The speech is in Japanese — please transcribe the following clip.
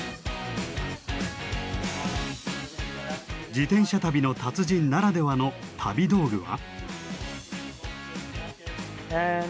自転車旅の達人ならではの旅道具は？